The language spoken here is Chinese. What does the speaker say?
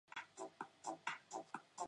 金宝汤公司出品的一种罐头装的浓汤。